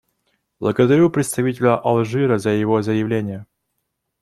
Благодарю представителя Алжира за его заявление.